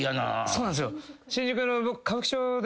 そうなんすよ。